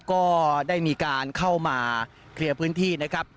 ก็ได้มีการเข้ามาเคลียร์พื้นที่นะครับ